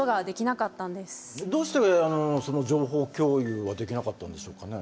どうしてその情報共有はできなかったんでしょうかね。